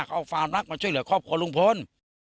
เอาความรักมาช่วยเหลือครอบครัวลุงพล